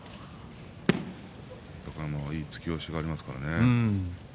いい突き押しがありますからね。